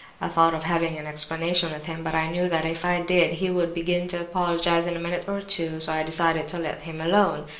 I thought of having an explanation with him, but I knew that if I did, he would begin to apologize in a minute or two, so I decided to let him alone.